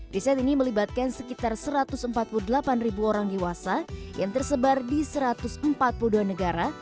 riset ini melibatkan sekitar satu ratus empat puluh delapan ribu orang dewasa yang tersebar di satu ratus empat puluh dua negara